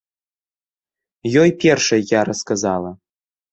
Ёй першай я расказала.